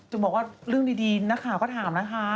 จะบอกว่าเรื่องดีนักข่าวก็ถามนะคะ